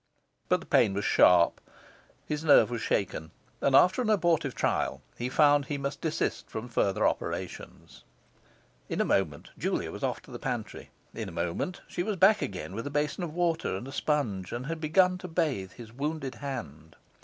But the pain was sharp, his nerve was shaken, and after an abortive trial he found he must desist from further operations. In a moment Julia was off to the pantry; in a moment she was back again with a basin of water and a sponge, and had begun to bathe his wounded hand.